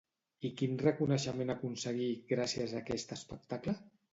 I quin reconeixement aconseguí gràcies a aquest espectacle?